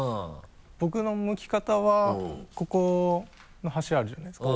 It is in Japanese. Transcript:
僕の剥き方はここの端あるじゃないですか。